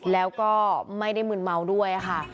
แล้วก็ไม่ได้มืนเมาด้วยค่ะ